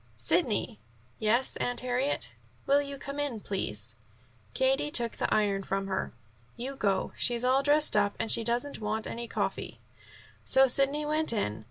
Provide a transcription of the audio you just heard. "Sidney." "Yes, Aunt Harriet." "Will you come in, please?" Katie took the iron from her. "You go. She's all dressed up, and she doesn't want any coffee." So Sidney went in.